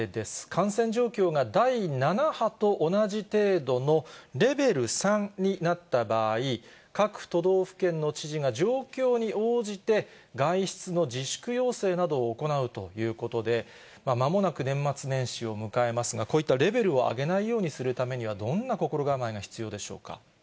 感染状況が第７波と同じ程度のレベル３になった場合、各都道府県の知事が、状況に応じて外出の自粛要請などを行うということで、まもなく年末年始を迎えますが、こういったレベルを上げないようにするためには、どんな心構えが必要でしょうか。